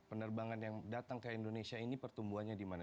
penerbangan yang datang ke indonesia ini pertumbuhannya di mana